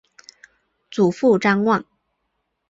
祖父张旺。